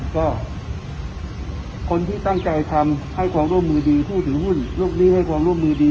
ก็คนที่ตั้งใจทำให้ความร่วมมือดีผู้ถือหุ้นลูกนี้ให้ความร่วมมือดี